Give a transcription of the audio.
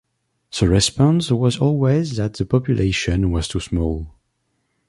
The response was always that the population was too small.